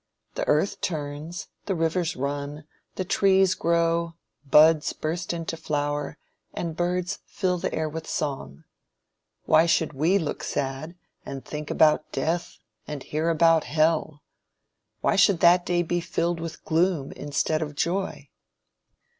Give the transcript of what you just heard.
The earth turns, the rivers run, the trees grow, buds burst into flower, and birds fill the air with song. Why should we look sad, and think about death, and hear about hell? Why should that day be filled with gloom instead of joy?